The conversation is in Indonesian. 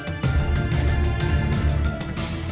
bisa jadi mengandung virus